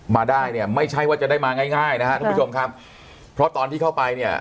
มาได้เนี่ยไม่ใช่ว่าจะได้มาง่ายง่ายนะฮะทุกผู้ชมครับเพราะตอนที่เข้าไปเนี่ย